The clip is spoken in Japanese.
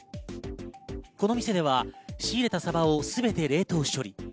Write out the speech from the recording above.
この店では仕入れたサバをすべて冷凍処理。